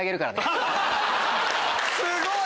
すごい！